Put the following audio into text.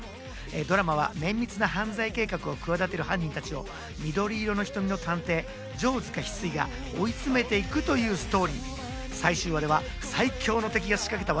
ドラマは綿密な犯罪計画を企てる犯人たちを、翠色の瞳の探偵・城塚翡翠が追い詰めていくというストーリー。